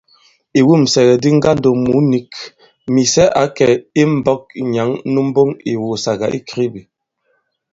Ìwûmsɛ̀ di ŋgandòmbu nik, Mìsɛ ǎ kɛ̀ imbɔ̄k nyǎŋ nu mboŋ ì ìwùùsàgà i Kribi.